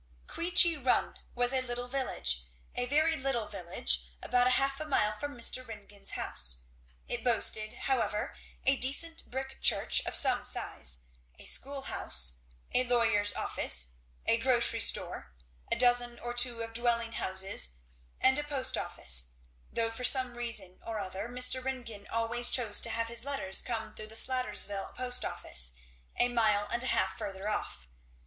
Queechy Run was a little village, a very little village, about half a mile from Mr. Ringgan's house. It boasted however a decent brick church of some size, a school house, a lawyer's office, a grocery store, a dozen or two of dwelling houses, and a post office; though for some reason or other Mr. Ringgan always chose to have his letters come through the Sattlersville post office, a mile and a half further off.